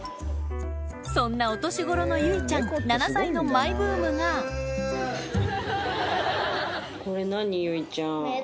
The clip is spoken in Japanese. そんなお年頃の優依ちゃん７歳のマイブームが優依ちゃん。